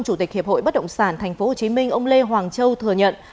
chủ tịch hiệp hội bất động sản tp hcm ông lê hoàng châu thừa nhận